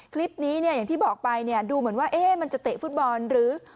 คลิปนี้เนี่ยอย่างที่บอกไปเนี่ยดูเหมือนว่ามันจะเตะฟุตบอลหรือ